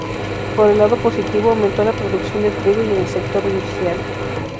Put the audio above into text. Por el lado positivo, aumentó la producción de trigo y en el sector industrial.